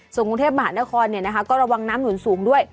ส่วนกรุงเทพมหานครก็ระวังน้ำหนุนสูงด้วย